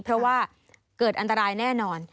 เพราะว่าเกิดอันตรายแน่นอน